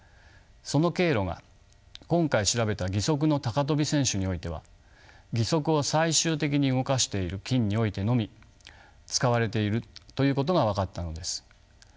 その経路が今回調べた義足の高跳び選手においては義足を最終的に動かしている筋においてのみ使われているということが分かったのです。